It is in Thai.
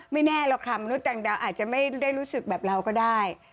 ไม่แน่หรอกค่ะมนุษย์ต่างดาวอาจจะไม่ได้รู้สึกแบบเราก็ได้